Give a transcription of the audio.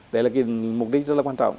đấy là cái mục đích rất là quan trọng